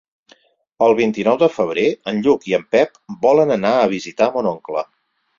El vint-i-nou de febrer en Lluc i en Pep volen anar a visitar mon oncle.